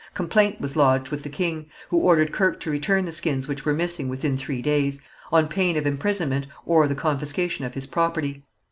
Complaint was lodged with the king, who ordered Kirke to return the skins which were missing within three days, on pain of imprisonment or the confiscation of his property.